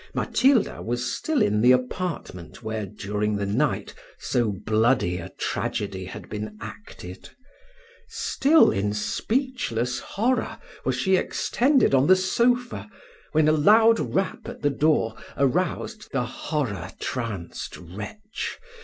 Matilda still was in the apartment where, during the night, so bloody a tragedy had been acted; still in speechless horror was she extended on the sofa, when a loud rap at the door aroused the horror tranced wretch.